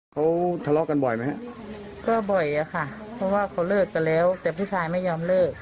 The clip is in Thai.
เขาทะเลาะกันบ่อยไหมฮะก็บ่อยอะค่ะเพราะว่าเขาเลิกกันแล้วแต่ผู้ชายไม่ยอมเลิก